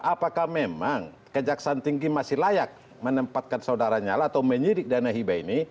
apakah memang kejaksaan tinggi masih layak menempatkan saudara nyala atau menyidik dana hibah ini